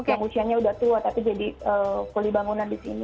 yang usianya udah tua tapi jadi kuli bangunan di sini